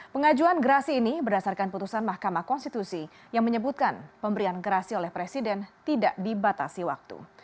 pengajuan gerasi ini berdasarkan putusan mahkamah konstitusi yang menyebutkan pemberian gerasi oleh presiden tidak dibatasi waktu